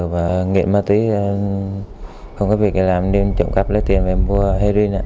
và nghiện ma túy không có việc làm nên trộm cắp lấy tiền về em mua heroin